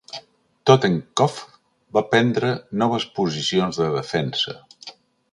"Totenkopf" va prendre noves posicions de defensa.